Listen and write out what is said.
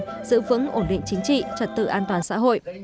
giữ vững ổn định chính trị trật tự an toàn xã hội